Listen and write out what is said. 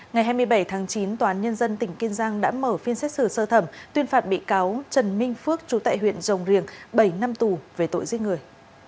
ngày hai mươi bảy tháng chín tòa án nhân dân tỉnh kiên giang đã mở phiên xét xử sơ thẩm tuyên phạt bị cáo trần minh phước chú tại huyện rồng riềng bảy năm tù về tội giết người